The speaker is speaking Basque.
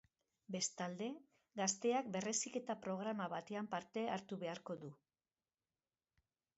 Bestalde, gazteak berreziketa programa batean parte hartu beharko du.